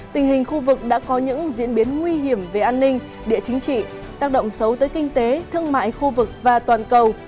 tình hình khu vực đã có những diễn biến nguy hiểm về an ninh địa chính trị tác động xấu tới kinh tế thương mại khu vực và toàn cầu